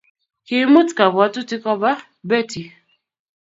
Kiimut kabwatutik Koba Betty